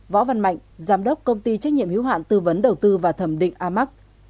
võ văn mạnh giám đốc công ty trách nhiệm hiếu hạn tư vấn đầu tư và thẩm định amac